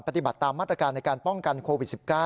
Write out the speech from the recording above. ปฏิบัติตามมาตรการในการป้องกันโควิด๑๙